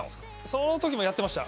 そのときもやってました。